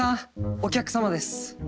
お客様です。